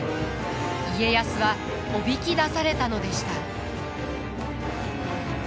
家康はおびき出されたのでした。